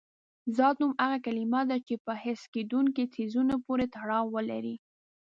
ذات نوم هغه کلمه ده چې په حس کېدونکي څیزونو پورې تړاو ولري.